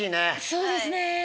そうですね。